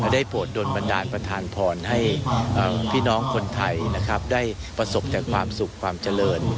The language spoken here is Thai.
ได้โปรดโดนบันดาลประธานพรให้พี่น้องคนไทยนะครับได้ประสบแต่ความสุขความเจริญ